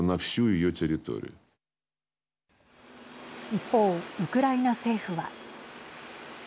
一方、ウクライナ政府は。